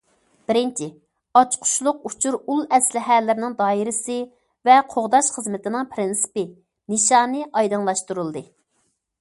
بىرىنچى، ئاچقۇچلۇق ئۇچۇر ئۇل ئەسلىھەلىرىنىڭ دائىرىسى ۋە قوغداش خىزمىتىنىڭ پىرىنسىپى، نىشانى ئايدىڭلاشتۇرۇلدى.